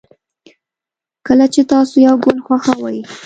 کله چې تاسو یو گل خوښوئ